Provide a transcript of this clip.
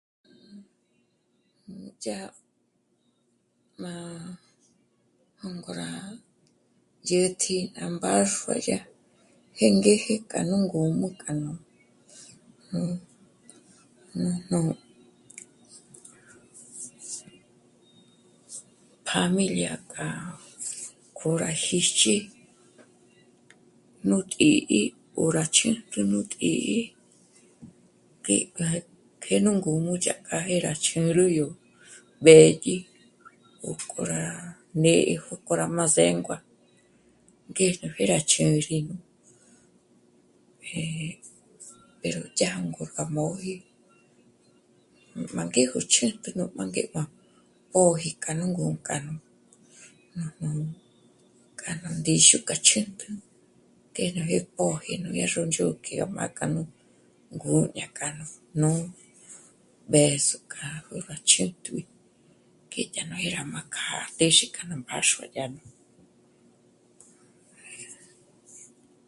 Núdyá má... jângo rá dyä̀tji ná mbáxua yá jêngeje k'a nú ngǔm'ü k'a nu, nú... nújnu pjámilia kjâ'a k'o rá jíjch'i nú tǐ'i 'ó rá chǚjk'ü nú tǐ'i ngék'a ngé nú ngǔm'ü dyájk'a jé rá chjǚrü yó b'ë̌dyi o k'o rá né'e jók'ò rá mázéngua ngéjnu jé rá chǚrji, pero dyá ngó gá móji, gú má ngéjo chjǚntjü, nú má ngé' má póji k'a nú ngǔm'ü k'a nú... nújnu k'a nú ndíxu k'a chjǚntjü ngé ná jë́'ë póji núdyá ró ndzhôk'i gá má k'a nú ngú'u dyájk'a nú... b'ë́zo dyájkja jó'o rá chétjui ngé dyá ró nô'o má kjâ'a ná téxi k'a ná mbáxua yá nú...